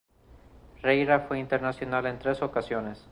Riera fue internacional en tres ocasiones.